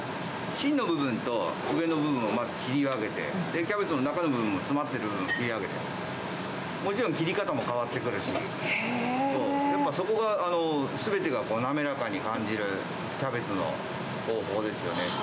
芯の部分と上の部分を、まず切り分けて、キャベツの中の部分も、詰まってるのを切り分けて、もちろん切り方も変わってくるし、やっぱそこが、すべてが滑らかに感じるキャベツの方法ですよね。